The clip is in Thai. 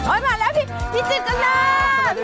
โอ๊ยมาแล้วพี่จิ๋นเจ้าหน้า